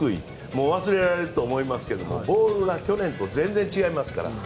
もう忘れられてると思いますけどボールが去年と全然違いますから。